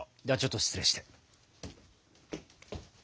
ではちょっと失礼して。